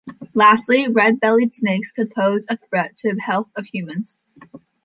Lastly, red-bellied snakes could pose a threat to the health of humans.